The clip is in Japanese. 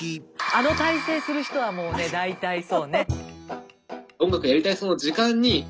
あの体勢する人はもうね大体そうね。